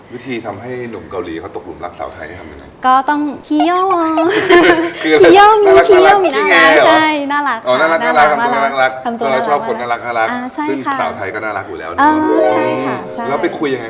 วิธีทำให้หนุ่มเกาหลีเขาตกหลุมรักสาวไทยให้ทำยังไง